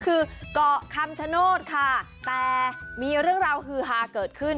คือเกาะคำชโนธค่ะแต่มีเรื่องราวฮือฮาเกิดขึ้น